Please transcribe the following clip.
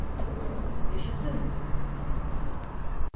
Yaşasın.